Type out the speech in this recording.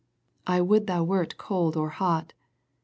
" I would thou wert cold or hot."